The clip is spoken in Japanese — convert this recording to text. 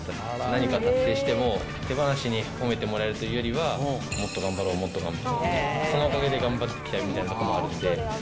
何か達成しても、手放しに褒めてもらえるというよりは、もっと頑張ろう、もっと頑張ろう、そのおかげで頑張ってきたみたいなところもあるので。